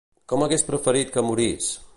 Com hagués preferit que morís?